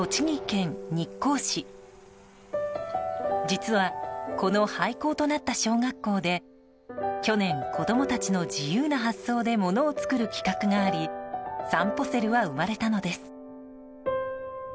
実は、この廃校となった小学校で去年、子供たちの自由な発想でものを作る企画がありさんぽセルは生まれたのです。